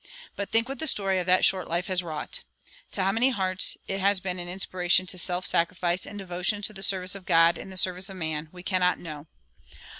But think what the story of that short life has wrought! To how many hearts it has been an inspiration to self sacrifice and devotion to the service of God in the service of man, we cannot know.